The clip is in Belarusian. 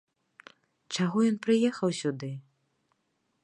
Чаго ён прыехаў сюды?